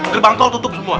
gerbang tol tutup semua